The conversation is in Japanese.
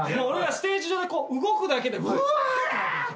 俺らステージ上で動くだけでうわ！